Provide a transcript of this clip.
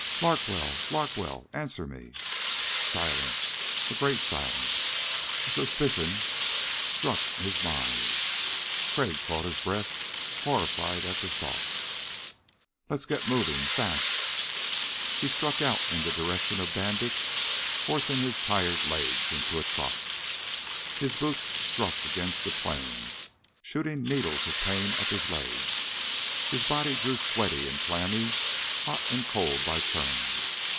"Larkwell! Larkwell, answer me!" Silence. A great silence. A suspicion struck his mind. Crag caught his breath, horrified at the thought. "Let's get moving fast." He struck out in the direction of Bandit, forcing his tired legs into a trot. His boots struck against the plain, shooting needles of pain up his legs. His body grew sweaty and clammy, hot and cold by turn.